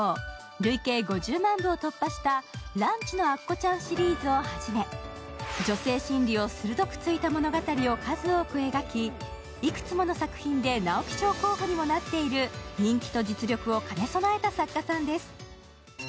累計５０万部を突破した「ランチのアッコちゃん」シリーズをはじめ、女性心理を鋭くついた物語を数多く描き、いくつも作品で直木賞候補にもなっている人気と実力を兼ね備えた作家さんです。